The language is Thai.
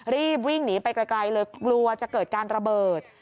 รีบวิ่งหนีไปไกลเลยกลัวจะเกิดการระเบิด